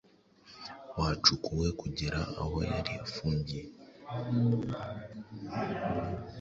wacukuwe kugera aho yari afungiye